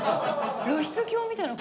露出狂みたいな事。